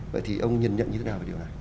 vậy thì ông nhìn nhận như thế nào về điều này